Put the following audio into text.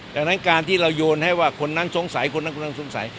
ดังนั้นการที่เราโยนให้ว่าคนนั้นสงสัยคนนั้นคนนั้นสงสัย